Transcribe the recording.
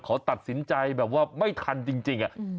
เขาตัดสินใจแบบว่าไม่ทันจริง